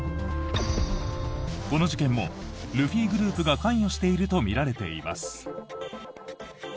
この事件もルフィグループが関与しているとみられています。